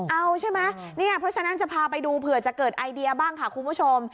เอาใช่ไหมเนี่ยเพราะฉะนั้นจะพาไปดูเผื่อจะเกิดไอเดียบ้างค่ะคุณผู้ชม